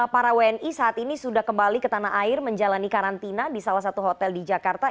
para wni saat ini sudah kembali ke tanah air menjalani karantina di salah satu hotel di jakarta